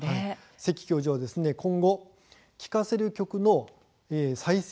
関教授は今後、聴かせる楽曲の再生